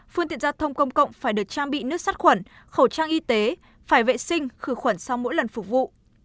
phương tiện giao thông công cộng phải được trang bị nước sát khuẩn khẩu trang y tế phải vệ sinh khử khuẩn sau mỗi lần phục vụ